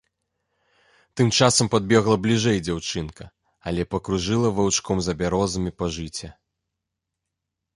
Тым часам падбегла бліжэй дзяўчынка, але пакружыла ваўчком за бярозамі па жыце.